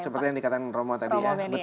ya seperti yang dikatakan romo tadi